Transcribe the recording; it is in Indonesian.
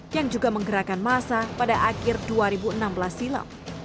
yang juga menggerakkan massa pada akhir dua ribu enam belas silam